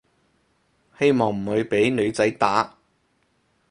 希望唔會畀女仔打